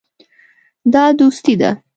دا دوستي ده.